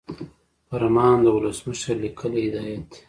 فرمان د ولسمشر لیکلی هدایت دی.